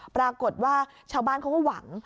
ปรากฏว่าชาวบ้านเขาก็หวัง